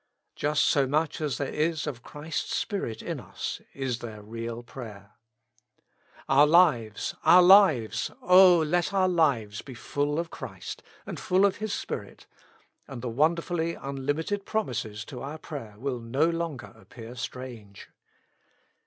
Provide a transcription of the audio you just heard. Just so much as there is of Christ's Spirit in us, is there real prayer. Our lives, our lives, O let our lives be full of Christ, and full of His Spirit, and the wonderfully unlimited promises to our prayer will no longer appear strange.